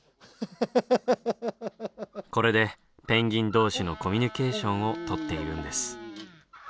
これでペンギン同士のコミュニケーションをとっているんです。